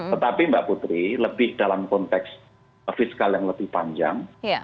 tetapi mbak putri lebih dalam konteks fiskal yang lebih panjang